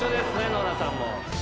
ノラさんも。